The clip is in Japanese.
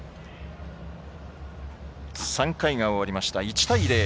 ３回が終わりました、１対０。